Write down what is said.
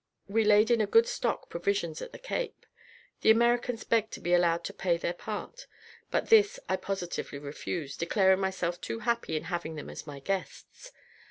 We laid in a good stock provisions at the Cape. The Americans begged to be allowed to pay their part; but this I positively refused, declaring myself too happy in having them as my guests.